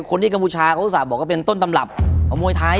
คนที่กาพูชาเป็นต้นตำรับความมวยไทย